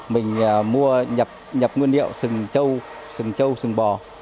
mình mua nhập nguyên liệu sừng trâu sừng trâu sừng bò